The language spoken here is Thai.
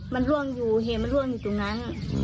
มันร่วงอยู่เหตุมันร่วงอยู่ตรงนั้น